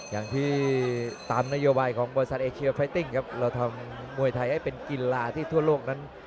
อย่างที่ตามนโยบายของบริษัทเอเชียไฟติ้งครับเราทำมวยไทยให้เป็นกีฬาที่ทั่วโลกนั้น